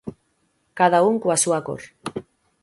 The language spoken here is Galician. Cada un coa súa cor.